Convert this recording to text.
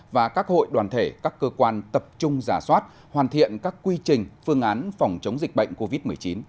và các hội đoàn thể các cơ quan tập trung giả soát hoàn thiện các quy trình phương án phòng chống dịch bệnh covid một mươi chín